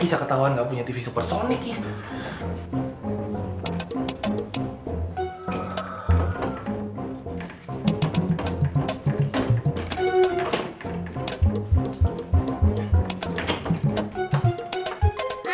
ih saya ketahuan gak punya tv supersonik ya